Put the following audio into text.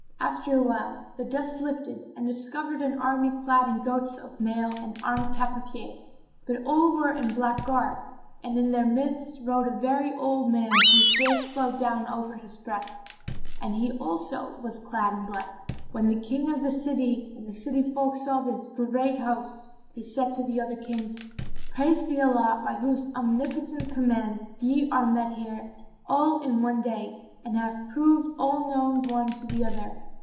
After a while, the dust lifted and discovered an army clad in coats of mail and armed cap а pie; but all were in black garb, and in their midst rode a very old man whose beard flowed down over his breast and he also was clad in black. When the King of the city and the city folk saw this great host, he said to the other Kings, "Praised be Allah by whose omnipotent command ye are met here, all in one day, and have proved all known one to the other!